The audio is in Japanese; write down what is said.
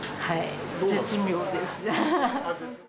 絶妙です。